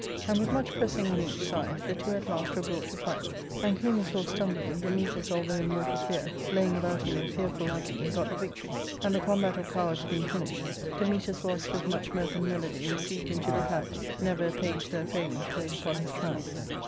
And with much pressing on each side, the two at last were brought to fight, and Clinias' horse stumbling, Dametas, although in mortal fear, laying about him in fearful agony, got the victory, and the combat of cowards being finished, Dametas was with much mirth and melody received into the camp, never a page there failing to wait upon his triumph.